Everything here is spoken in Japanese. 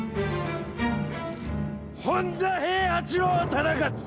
本多平八郎忠勝！